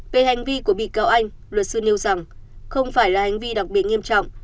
về hành vi của bị cáo anh luật sư nêu rằng không phải là hành vi đặc biệt nghiêm trọng